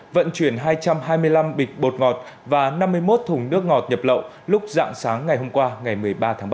vận chuyển hai trăm hai mươi năm bịch bột ngọt và năm mươi một thùng nước ngọt nhập lậu lúc dạng sáng ngày hôm qua ngày một mươi ba tháng ba